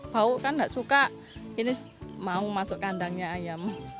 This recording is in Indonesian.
bau kan nggak suka ini mau masuk kandangnya ayam